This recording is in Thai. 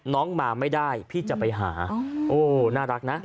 น้องมาไม่ได้พี่จะไปหาโอ้น่ารักนะ